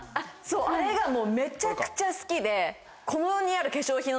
あれがめちゃくちゃ好きで。